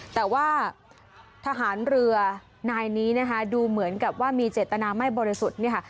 แต่ว่าทหารเรือนายนี้นะคะดูเหมือนกับว่ามีเจตนาไม่บริสุทธิ์เนี่ยค่ะ